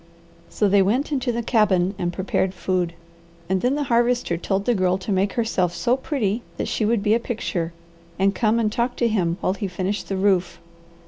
So they went into the cabin and prepared food, and then the Harvester told the Girl to make herself so pretty that she would be a picture and come and talk to him while he finished the roof.